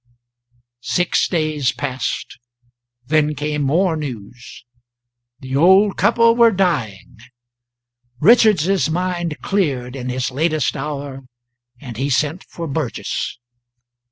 Six days passed, then came more news. The old couple were dying. Richards's mind cleared in his latest hour, and he sent for Burgess.